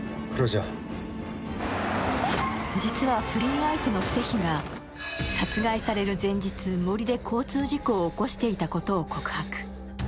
実は不倫相手のセヒが殺害される前日、森で交通事故を起こしていたことを告白。